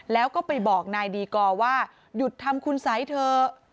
แล้วก็ไปบอกนายดีกอร์ว่าหยุดทำคุณสัยเถอะ